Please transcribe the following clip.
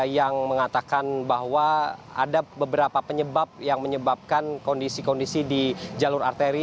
yang mengatakan bahwa ada beberapa penyebab yang menyebabkan kondisi kondisi di jalur arteri